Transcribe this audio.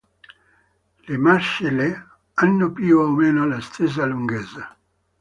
Le mascelle hanno più o meno la stessa lunghezza.